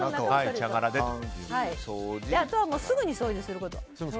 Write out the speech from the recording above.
あとはすぐに掃除すること。